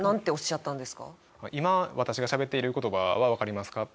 「今私がしゃべっている言葉はわかりますか？」。